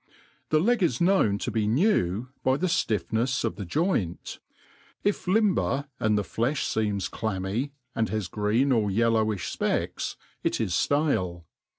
The leg is Jbnown to be new by the ftiffnefs of thejoi^t; if limber, and the ftefll fesms damoiy^ and haq g^een or yellowiCh fpecks, it is ftale.